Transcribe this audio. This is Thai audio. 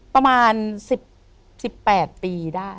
ประมาณ๑๘ปีได้